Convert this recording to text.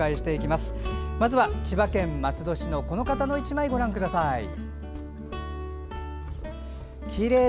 まずは千葉県松戸市のこの方の１枚をご覧ください。